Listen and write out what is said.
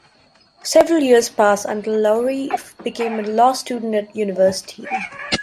Several years pass until Lowrie becomes a law student at university.